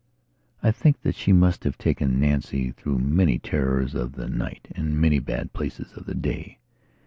I think that she must have taken Nancy through many terrors of the night and many bad places of the day.